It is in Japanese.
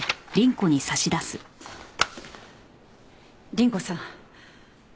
倫子さん。